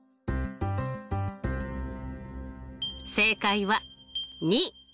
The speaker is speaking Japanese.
正解は２！